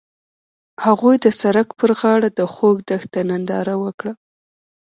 هغوی د سړک پر غاړه د خوږ دښته ننداره وکړه.